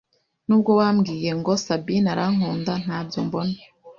nubwo wambwiye ngo Sabine arankunda ntbyo mbona